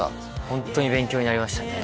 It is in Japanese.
ホントに勉強になりましたね